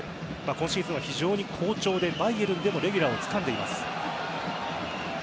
今シーズンは非常に好調で、バイエルンでもレギュラーをつかんでいます。